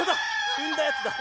うんだやつだ。